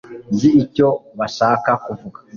nzi icyo bashaka kuvuga